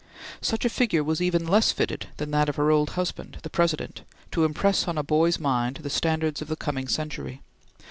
Such a figure was even less fitted than that of her old husband, the President, to impress on a boy's mind, the standards of the coming century.